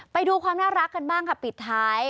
ไปดูความน่ารักกันบ้างนะครับปีฐ้าย